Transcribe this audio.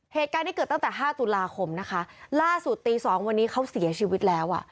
เหตุการณ์นี้เกิดตั้งแต่ห้าตุลาคมนะคะล่าสุดตีสองวันนี้เขาเสียชีวิตแล้วอ่ะ